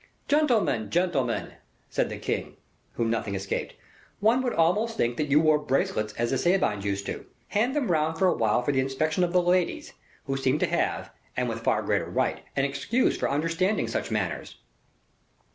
"Gentlemen, gentlemen," said the king, whom nothing escaped, "one would almost think that you wore bracelets as the Sabines used to do; hand them round for a while for the inspection of the ladies, who seem to have, and with far greater right, an excuse for understanding such matters!"